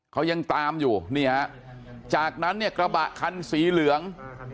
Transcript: เขายังตามอยู่นี่ฮะจากนั้นเนี่ยกระบะคันสีเหลือง